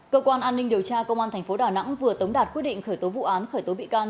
cơ quan an ninh điều tra công an tp đà nẵng vừa tống đạt quyết định khởi tố vụ án khởi tố bị can